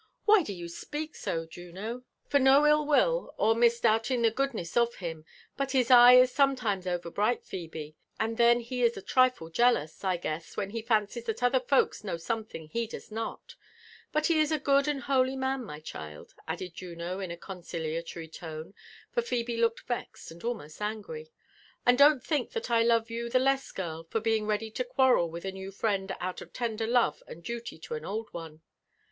Why do you speak so, Juno?" IN liiFE AND A0VBKTURE8 OF '' Fof no ill willt or misdoubtiog the goodness of him ; but his eye i§ flomoUmes over bright, Pbebo,— ^nd theo he is a trifle jealous^ I guess, when he fancies that other folks know something he does noi» But he is a good and a holy man, my ehild," added Juno in a con oiliatory tone« for Phebe looked veied and almost angry; " and don't think that I love you (he less, girl, for being ready to quarrel with a new friend out of tender love and duty to an old one.